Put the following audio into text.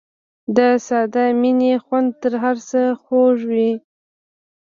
د ساده مینې خوند تر هر څه خوږ دی.